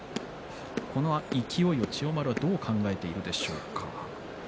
この勢いを千代丸はどう考えているでしょうか？